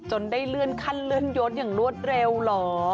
ได้เลื่อนขั้นเลื่อนยศอย่างรวดเร็วเหรอ